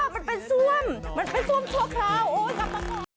มันเป็นซ่วมมันเป็นซ่วมชั่วคราวโอ๊ยกลับมาก่อน